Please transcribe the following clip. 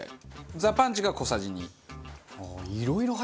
ザパンチが小さじ２。